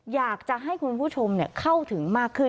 อยากจะให้คุณผู้ชมเข้าถึงมากขึ้น